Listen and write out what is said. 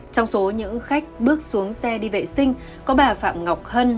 trong số những khách bước xuống xe đi vệ sinh có bà phạm ngọc hân